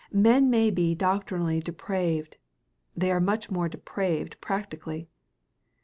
Men may be doctrinally depraved; they are much more depraved practically.